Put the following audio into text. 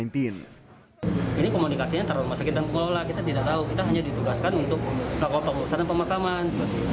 tahan aja jangan lawan